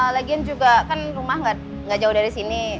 lagian juga kan rumah nggak jauh dari sini